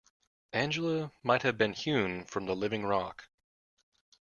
Angela might have been hewn from the living rock.